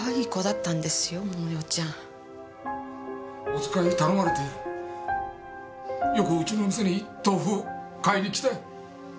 おつかい頼まれてよくうちの店に豆腐を買いに来たよ。